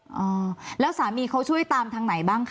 ยายก็ยังแอบไปขายขนมแล้วก็ไปถามเพื่อนบ้านว่าเห็นไหมอะไรยังไง